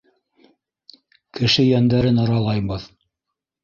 Кеше йәндәрен аралайбыҙ.